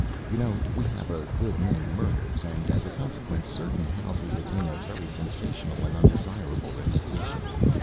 You know we have a good many murders, and, as a consequence, certain houses attain a very sensational and undesirable reputation.